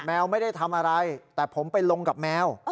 แมวไม่ได้ทำอะไรแต่ผมไปลงกับแมว